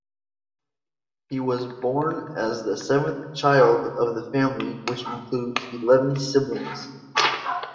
He was born as the seventh child of the family which includes eleven siblings.